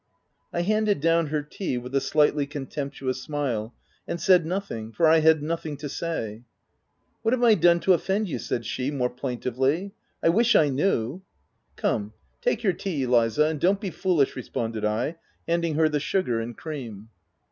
I handed down her tea with a slightly con temptuous smile, and said nothing, for I had nothing to say. "What have I done to offend you?" said she, more plaintively. " I wish I knew/ 5 " Come, take your tea Eliza, and don't be foolish/' responded I, handing her the sugar and cream.